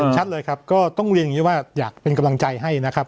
ชัดเลยครับก็ต้องเรียนอย่างนี้ว่าอยากเป็นกำลังใจให้นะครับ